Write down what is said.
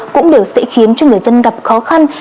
cũng đều sẽ khiến cho người dân gặp khó khăn